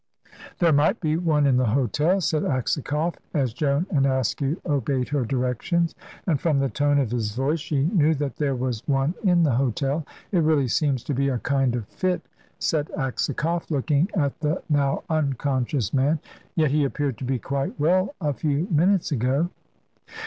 "There might be one in the hotel," said Aksakoff, as Joan and Askew obeyed her directions. And from the tone of his voice she knew that there was one in the hotel. "It really seems to be a kind of fit," said Aksakoff, looking at the now unconscious man. "Yet he appeared to be quite well a few minutes ago."